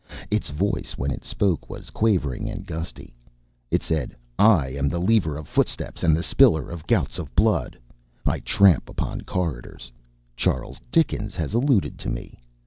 Its voice, when it spoke, was quavering and gusty. It said, "I am the leaver of footsteps and the spiller of gouts of blood. I tramp upon corridors. Charles Dickens has alluded to me.